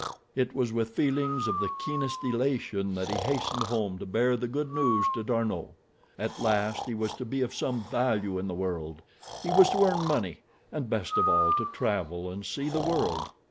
It was with feelings of the keenest elation that he hastened home to bear the good news to D'Arnot. At last he was to be of some value in the world. He was to earn money, and, best of all, to travel and see the world.